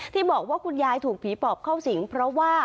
ที่บอกว่าคุณยายถูกผีปอบเข้าสิงเพราะว่า